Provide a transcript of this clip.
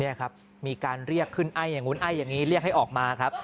นี่ครับมีการเรียกขึ้นไอ้อย่างนู้นไอ้อย่างนี้เรียกให้ออกมาครับ